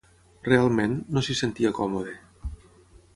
Realment, no s'hi sentia còmode.